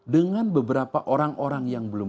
dengan beberapa orang orang yang belum